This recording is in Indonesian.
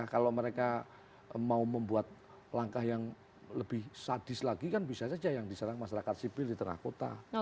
kalau mereka mau membuat langkah yang lebih sadis lagi kan bisa saja yang diserang masyarakat sipil di tengah kota